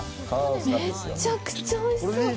めっちゃくちゃおいしそう。